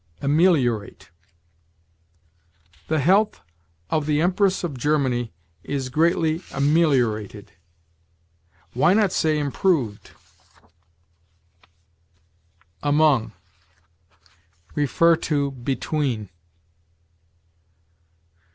AMELIORATE. "The health of the Empress of Germany is greatly ameliorated." Why not say improved? AMONG. See BETWEEN.